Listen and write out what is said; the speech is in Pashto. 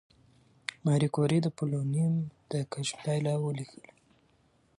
ماري کوري د پولونیم د کشف پایله ولیکله.